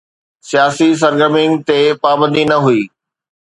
سياسي سرگرمين تي پابندي نه هئي.